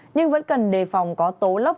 nhưng vẫn cần đề phòng có tố lốc